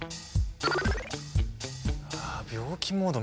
ああ病気モード